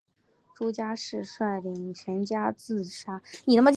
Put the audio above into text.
朱家仕率领全家自杀。